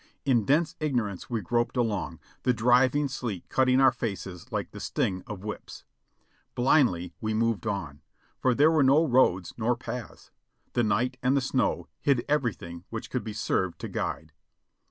In dense ignorance we groped along, the driving sleet cutting our faces like the sting of whips. Blindly we moved on, for there were no roads nor paths ; the night and the snow hid everything which could have served to guide.